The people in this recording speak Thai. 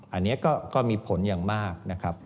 อันนี้ก็มีผลอย่างมากนะครับ